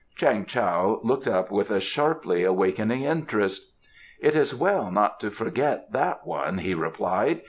Chang Tao looked up with a sharply awakening interest. "It is well not to forget that one," he replied.